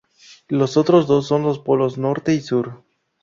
Los otros dos son los polos Norte y Sur.